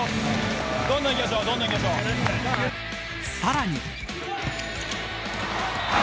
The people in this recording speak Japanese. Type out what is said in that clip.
さらに。